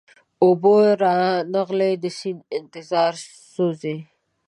اوبه را نغلې د سیند انتظار سوزي